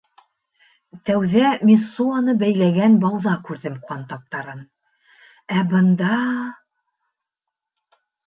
Тәүҙә Мессуаны бәйләгән бауҙа күрҙем ҡан таптарын, ә бында...